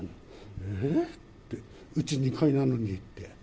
えっ？って、うち２階なのにって。